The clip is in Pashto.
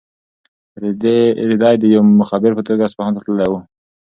رېدی د یو مخبر په توګه اصفهان ته تللی و.